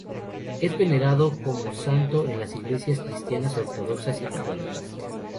Es venerado como santo en las iglesias cristianas ortodoxas y católicas.